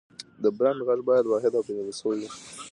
د برانډ غږ باید واحد او پېژندل شوی وي.